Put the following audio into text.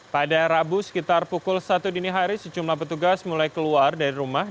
pada rabu sekitar pukul satu dini hari sejumlah petugas mulai keluar dari rumah